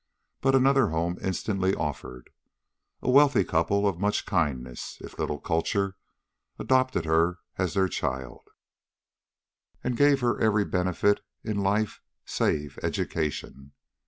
But another home instantly offered. A wealthy couple of much kindness, if little culture, adopted her as their child, and gave her every benefit in life save education.